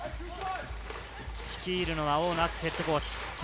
率いるのは大野篤史ヘッドコーチ。